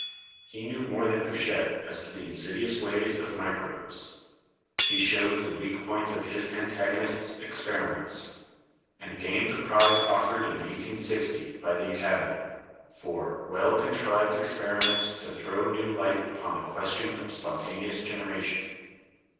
He knew more than Pouchet as to the insidious ways of microbes; he showed the weak point of his antagonist's experiments, and gained the prize offered in i860 by the Academy, for "well contrived experiments to throw new light upon the question of spontaneous generation."